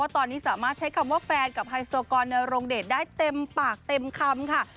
ตอนนี้สามารถใช้คำว่าแฟนกับไฮโซกรนโรงเดชได้เต็มปากเต็มคำค่ะ